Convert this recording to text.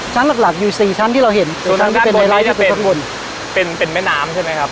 ชั้นหลักหลักอยู่สี่ชั้นที่เราเห็นโดยทางด้านโบไลท์จะเป็นเป็นแม่น้ำใช่ไหมครับ